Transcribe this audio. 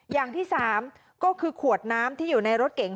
อย่างที่๓ก็คือขวดน้ำที่อยู่ในรถเก๋ง